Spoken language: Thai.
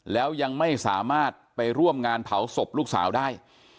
แล้วยังไม่สามารถไปร่วมงานเผาศพลูกสาวได้